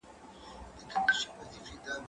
هغه څوک چي نان خوري قوي وي،